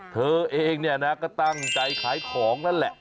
เธอเองก็ตั้งใจขายของนั่นแหละ